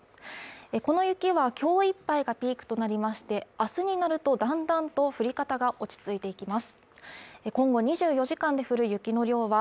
この雪は今日いっぱいがピークとなりましてあすになるとだんだんと降り方が落ち着いていきます